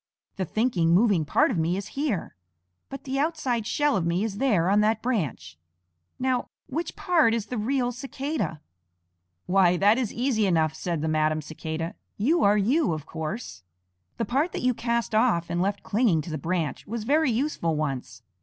The thinking, moving part of me is here, but the outside shell of me is there on that branch. Now, which part is the real Cicada?" "Why, that is easy enough," said the Madam Cicada; "You are you, of course. The part that you cast off and left clinging to the branch was very useful once.